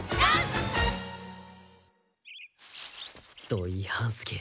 土井半助